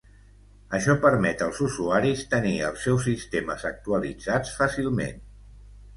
Això permet als usuaris tenir els seus sistemes actualitzats fàcilment.